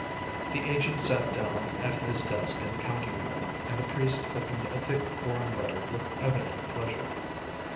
The agent sat down at his desk in the counting room and the priest opened a thick foreign letter with evident pleasure.